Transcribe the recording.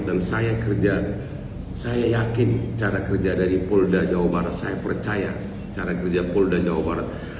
dan saya kerja saya yakin cara kerja dari polda jawa barat saya percaya cara kerja polda jawa barat